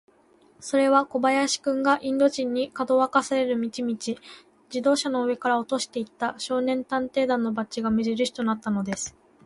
それは小林君が、インド人に、かどわかされる道々、自動車の上から落としていった、少年探偵団のバッジが目じるしとなったのです。